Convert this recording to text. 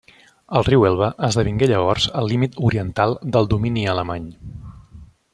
El riu Elba esdevingué llavors el límit oriental del domini alemany.